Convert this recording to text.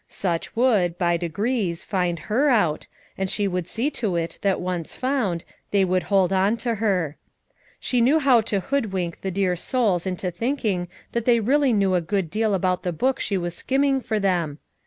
Such w r ouId, by de POUR MOTHERS AT CHAUTAUQUA 127 grees, find her out, and she would see to it that once found, they would hold on to her. She knew how to hoodwink the dear souls into thinking that they really knew a good deal ahout the hook she was skimming for them.